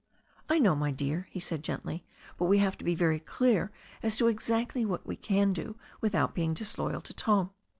"I know, my dear," he said gently, "but we have to be very clear as to exactly what we can do without being disloyal to Tom.